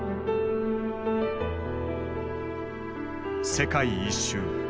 世界一周。